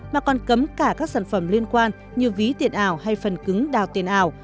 mà còn cấm cả các sản phẩm liên quan như ví tiền ảo hay phần cứng đào tiền ảo